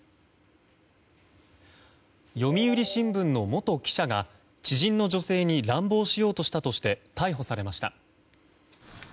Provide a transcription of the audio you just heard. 読売新聞の元記者が知人の女性に乱暴しようとしたとして逮捕されました。